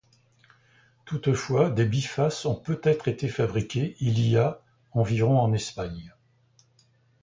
Toutefois, des bifaces ont peut-être été fabriqués il y a environ en Espagne.